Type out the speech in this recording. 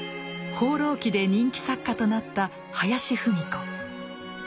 「放浪記」で人気作家となった林芙美子。